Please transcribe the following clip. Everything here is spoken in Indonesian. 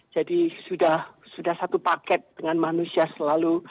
jadi sudah satu paket dengan manusia selalu